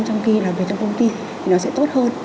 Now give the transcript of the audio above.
trong khi làm việc trong công ty thì nó sẽ tốt hơn